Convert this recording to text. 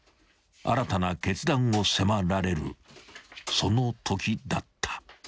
［新たな決断を迫られるそのときだった］